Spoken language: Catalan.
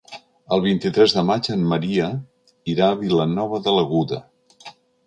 El vint-i-tres de maig en Maria irà a Vilanova de l'Aguda.